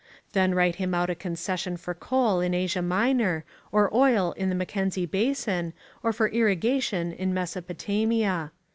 Then write him out a concession for coal in Asia Minor or oil in the Mackenzie Basin or for irrigation in Mesopotamia.